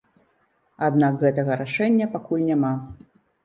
Аднак гэтага рашэння пакуль няма.